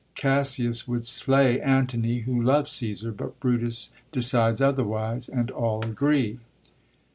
Cassius would slay Antony, who loves Csesar ; but Brutus decides otherwise, and all agree.